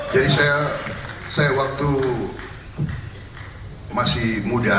jadi saya waktu masih muda